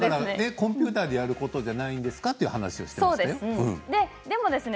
コンピューターでやることではないんですかという話でしたね。